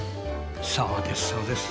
そうですそうです。